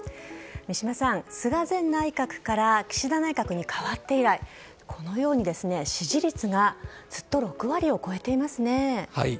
三嶋さん、菅前内閣から岸田内閣に代わって以来、このように支持率がずっと６割を超えていますね。